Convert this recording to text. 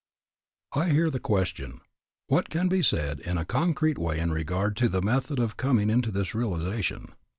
I hear the question, What can be said in a concrete way in regard to the method of coming into this realization?